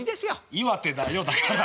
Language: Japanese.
岩手だよだから。